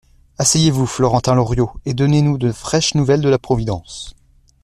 Asseyez-vous, Florentin Loriot, et donnez-nous de fraîches nouvelles de la Providence.